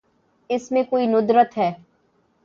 اس میں کوئی ندرت ہے۔